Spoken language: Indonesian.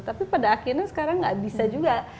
tapi pada akhirnya sekarang nggak bisa juga